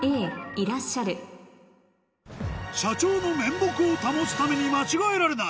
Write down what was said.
「いらっしゃる」社長の面目を保つために間違えられない！